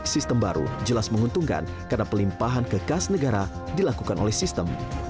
sistem baru jelas menguntungkan karena pelimpahan kekas negara dilakukan oleh sistem